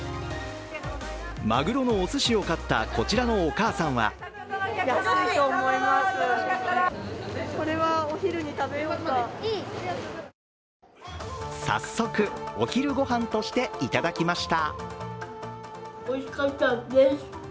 まぐろのおすしを買ったこちらのお母さんは早速、お昼ご飯としていただきました。